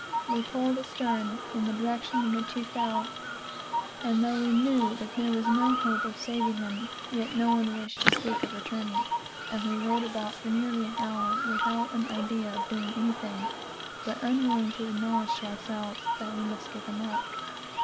We pulled astern, in the direction in which he fell, and though we knew that there was no hope of saving him, yet no one wished to speak of returning, and we rowed about for nearly an hour, without the hope of doing anything, but unwilling to acknowledge to ourselves that we must give him up.